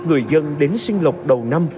người dân đến sinh lộc đầu năm